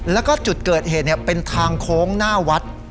แล้วก็จุดเกิดเหตุเป็นทางโค้งหน้าวัด